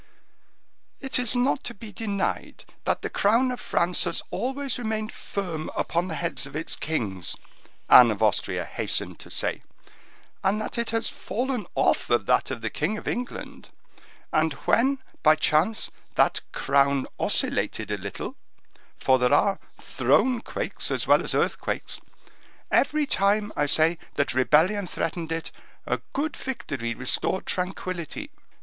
"It is not to be denied that the crown of France has always remained firm upon the heads of its kings," Anne of Austria hastened to say, "and that it has fallen off of that of the king of England; and when by chance that crown oscillated a little,—for there are throne quakes as well as earthquakes,—every time, I say, that rebellion threatened it, a good victory restored tranquillity."